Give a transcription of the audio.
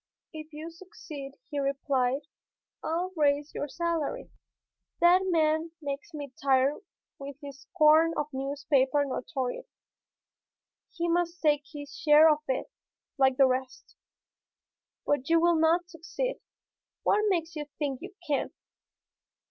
"If you succeed," he replied, "I'll raise your salary. That man makes me tired with his scorn of newspaper notoriety. He must take his share of it, like the rest. But you will not succeed. What makes you think you can?"